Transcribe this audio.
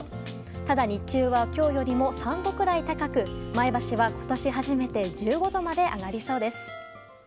ただ、日中は今日よりも３度くらい高く前橋は今年初めて１５度まで上がりそうです。